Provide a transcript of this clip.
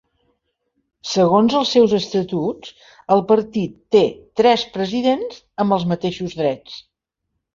Segons els seus estatuts, el partit té tres presidents amb els mateixos drets.